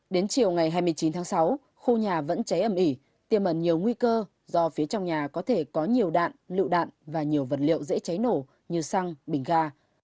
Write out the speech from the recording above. đến chiều ngày hai mươi chín tháng sáu khu nhà vẫn cháy âm ỉ tiêm ẩn nhiều nguy cơ do phía trong nhà có thể có nhiều đạn lựu đạn và nhiều vật liệu dễ cháy nổ như xăng bình ga